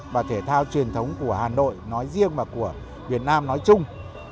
và thể thao truyền thống của hà nội nói riêng và của việt nam nói chung